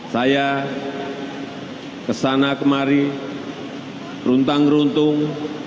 saya kesana kemari runtang runtung